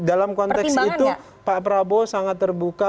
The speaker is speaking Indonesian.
dalam konteks itu pak prabowo sangat terbuka